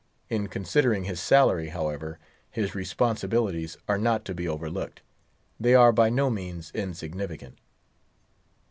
In considering his salary, however, his responsibilities are not to be over looked; they are by no means insignificant.